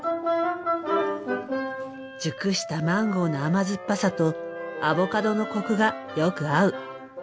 熟したマンゴーの甘酸っぱさとアボカドのコクがよく合う。